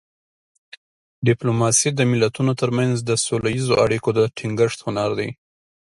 ډیپلوماسي د ملتونو ترمنځ د سوله اییزو اړیکو د ټینګښت هنر دی